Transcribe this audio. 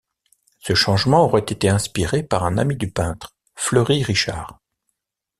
Ce changement aurait été inspiré par un ami du peintre, Fleury Richard.